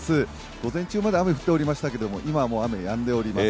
午前中まで雨降っておりましたけれども今はもうやんでいます。